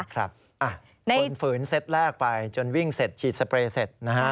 คนฝืนเซ็ตแรกไปจนวิ่งเสร็จฉีดสเปรย์เสร็จนะฮะ